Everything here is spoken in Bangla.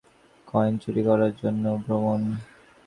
কাজটা করেছিলে আমার ভ্রমণ কয়েন চুরি করার জন্য।